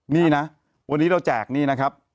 นี่นะวันนี้เราแจกนี่นะครับ